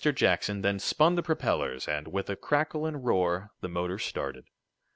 Jackson then spun the propellers, and, with a crackle and roar the motor started.